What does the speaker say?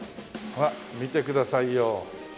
ほら見てくださいよ。